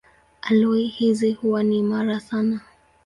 Aloi hizi huwa ni imara sana.